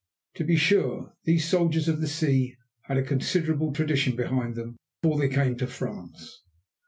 To be sure, these soldiers of the sea had a considerable tradition behind them before they came to France.